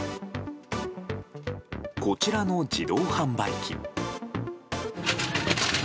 こちらの自動販売機。